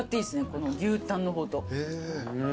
この牛タンの方と。